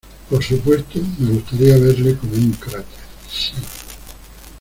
Por supuesto, me gustaría verle como un cráter. ¡ sí!